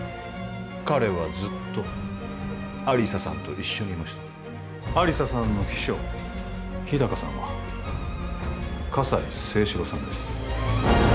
彼はずっと亜理紗さんと一緒にいました亜理紗さんの秘書日高さんは葛西征四郎さんです